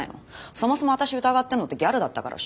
そもそも私を疑ってるのってギャルだったからっしょ？